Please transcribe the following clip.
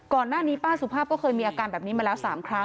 ก่อนหน้านี้ป้าสุภาพก็เคยมีอาการแบบนี้มาแล้ว๓ครั้ง